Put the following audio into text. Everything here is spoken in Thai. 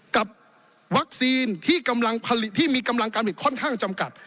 กับวัคซีนที่มีกำลังการผลิตค่อนข้างจำกัด